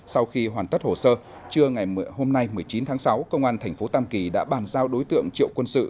sau khi hoàn tất hồ sơ trưa ngày hôm nay một mươi chín tháng sáu công an tp tam kỳ đã bàn giao đối tượng triệu quân sự